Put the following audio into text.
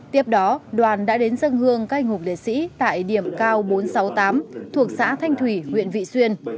tiếp đó đoàn đã đến dâng hương cây hùng liệt sĩ tại điểm cao bốn trăm sáu mươi tám thuộc xã thanh thủy huyện vị xuyên